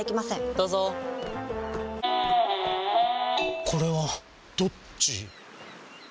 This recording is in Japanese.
どうぞこれはどっち？